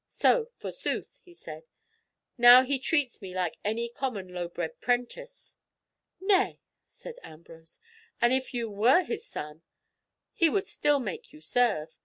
So, forsooth," he said, "now he treats me like any common low bred prentice." "Nay," said Ambrose, "an if you were his son, he would still make you serve.